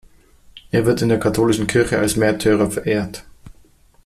Er wird in der katholischen Kirche als Märtyrer verehrt.